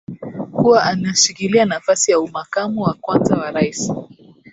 kuwa anashikilia nafasi ya umakamu wa kwanza wa rais